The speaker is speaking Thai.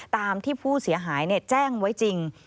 ตามที่ผู้เสียหายแจ้งไว้จริง